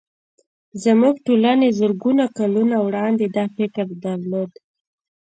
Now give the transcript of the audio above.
زموږ ټولنې زرګونه کلونه وړاندې دا فکر درلود